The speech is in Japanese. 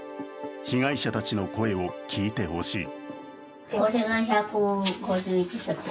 被害者たちの声を聞いてほしい。